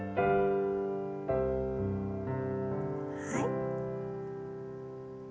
はい。